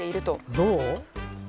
どう？